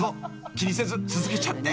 気にせず続けちゃって］